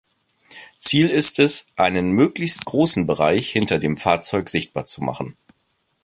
Ziel ist es, einen möglichst großen Bereich hinter dem Fahrzeug sichtbar zu machen.